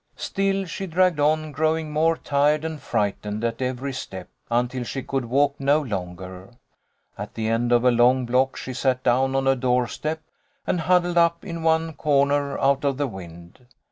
Still she dragged on, growing more tired and frightened at every step, until she could walk no longer. At the end of a long block she sat down on a doorstep, and huddled up in one corner out of the wind.